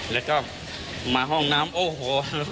แล้วก็มาห้องน้ำโอ้โห